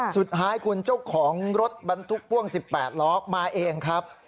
สุดท้ายคุณเจ้าของรถบรรทุกพ่วง๑๘ล้อมาเองครับ